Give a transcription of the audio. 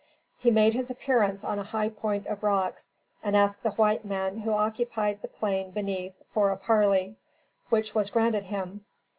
He made his appearance on a high point of rocks and asked the white men who occupied the plain beneath for a parley, which was granted him.